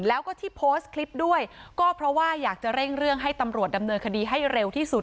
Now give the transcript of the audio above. แล้วก็ที่โพสต์คลิปด้วยก็เพราะว่าอยากจะเร่งเรื่องให้ตำรวจดำเนินคดีให้เร็วที่สุด